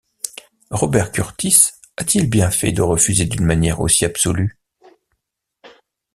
Robert Kurtis a-t-il bien fait de refuser d’une manière aussi absolue?